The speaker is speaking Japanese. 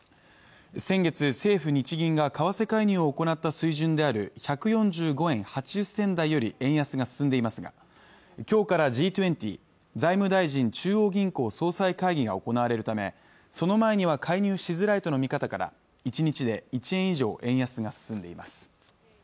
先月政府日銀が為替介入を行った水準である１４５円８０銭台より円安が進んでいますが今日からＧ２０＝財務大臣中央銀行総裁会議が行われるためその前には介入しづらいとの見方から一日で１円以上円安が進んでいます